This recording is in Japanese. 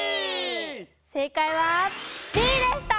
正かいはＢでした！